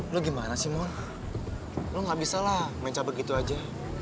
lu gimana sih mon lu gak bisa lah mencapai begitu aja